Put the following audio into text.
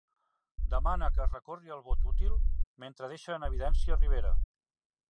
Demana que es recorri al "vot útil" mentre deixa en evidència Rivera.